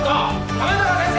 亀高先生！